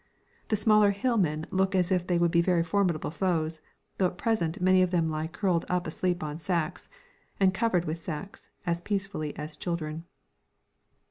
The smaller hillmen look as if they would be very formidable foes, though at present many of them lie curled up asleep on sacks, and covered with sacks, as peacefully as children.